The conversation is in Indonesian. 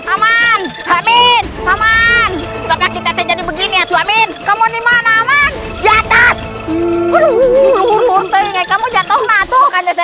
aman amin aman kita jadi begini amin kamu dimana aman diatas